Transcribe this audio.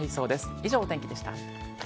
以上、お天気でした。